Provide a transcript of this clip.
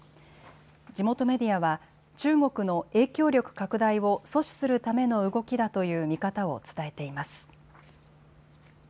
地元メディアは中国の影響力拡大を阻止するための動きだという見方を伝えています。